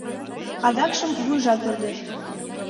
Адакшым вуйжат пӧрдеш.